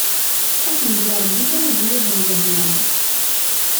Ad t-yeg Rebbi d amezyad n lehna!